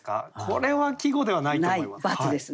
これは季語ではないと思います。